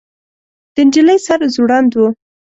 د نجلۍ سر ځوړند و.